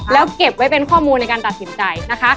แล้วเก็บไว้เป็นข้อมูลในการตัดสินใจนะคะ